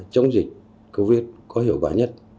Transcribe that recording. chống dịch covid có hiệu quả nhất